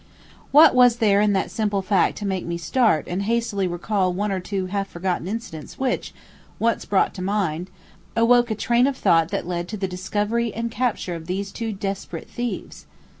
What was there in that simple fact to make me start and hastily recall one or two half forgotten incidents which, once brought to mind, awoke a train of thought that led to the discovery and capture of those two desperate thieves?